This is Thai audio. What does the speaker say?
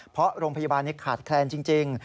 เพราะโรงพยาบาลขาดแคลนจริง